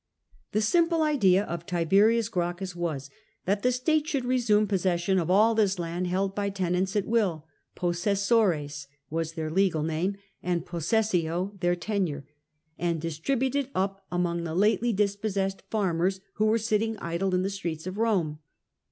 The simple idea of Tiberius Gracchus was that the state sho3d re 3 me possession of all this land held by tenant? their legal name, and jpossessio theii tenure— and distribute it up among the lately dispossessed farmers who werq sitting idle in the streets of Rome.